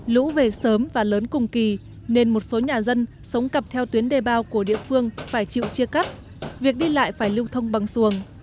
lũ về sớm và lớn cùng kỳ nên một số nhà dân sống cặp theo tuyến đề bao của địa phương phải chịu chia cắt việc đi lại phải lưu thông bằng xuồng